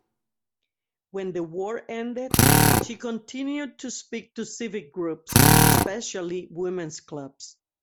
When the war ended, she continued to speak to civic groups, especially women's clubs.